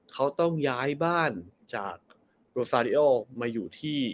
เขาต้องย้ายบ้านจากมาอยู่ที่